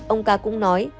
ông ca cũng nói